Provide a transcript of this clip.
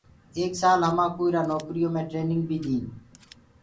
ايڪ سآل همآنٚ ڪوٚ اِرا نوڪريٚ يو مي ٽرينيٚنگ بيٚ ديٚن